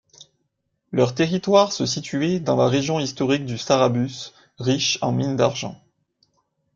Leur territoire se situait dans la région historique du Sarrabus, riche en mines d'argent.